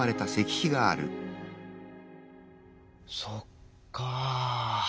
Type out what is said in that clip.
そっか。